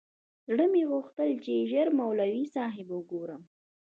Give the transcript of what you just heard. زړه مې غوښتل چې ژر مولوي صاحب وگورم.